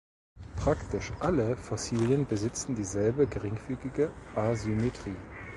Praktisch alle Fossilien besitzen dieselbe geringfügige Asymmetrie.